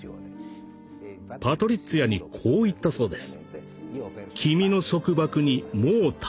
パトリッツィアにこう言ったそうです。